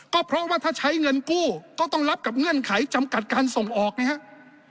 ก็เพราะว่าถ้าใช้เงินกู้ก็ต้องรับกับเงื่อนไขจำกัดการส่งออกไงครับ